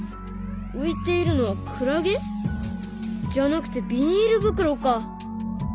浮いているのはクラゲ？じゃなくてビニール袋か。